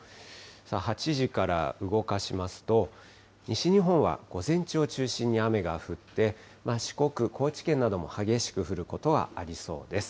８時から動かしますと、西日本は午前中を中心に雨が降って、四国、高知県なども激しく降ることはありそうです。